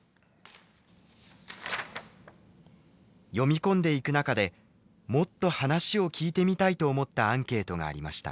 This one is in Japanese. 読み込んでいく中でもっと話を聞いてみたいと思ったアンケートがありました。